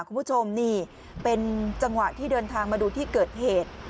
คุณผู้ชมนี่เป็นจังหวะที่เดินทางมาดูที่เกิดเหตุ